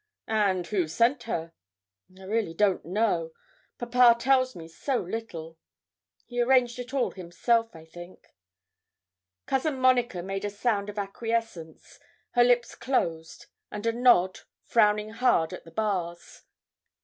'And who sent her?' 'I really don't know; papa tells me so little he arranged it all himself, I think.' Cousin Monica made a sound of acquiescence her lips closed and a nod, frowning hard at the bars.